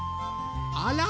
あら？